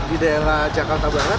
di daerah jakarta barat